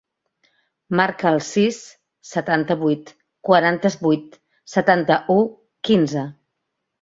Marca el sis, setanta-vuit, quaranta-vuit, setanta-u, quinze.